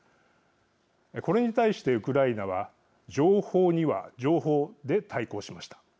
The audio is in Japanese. これに対して、ウクライナは情報には情報で対抗しました。